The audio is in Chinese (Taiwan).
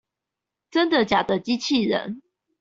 真的假的機器人